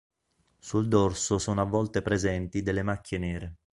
Sul dorso sono a volte presenti delle macchie nere.